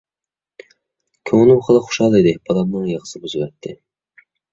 كۆڭلۈم خېلى خۇشال ئىدى، بالامنىڭ يىغىسى بۇزۇۋەتتى.